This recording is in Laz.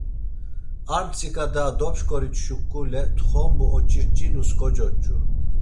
Ar mtsika daha dopşǩorit şuǩule txombu oç̌irç̌ilus kocoç̌u.